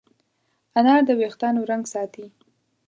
انار د وېښتانو رنګ ساتي.